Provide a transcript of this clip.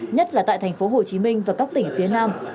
nhất là tại thành phố hồ chí minh và các tỉnh phía nam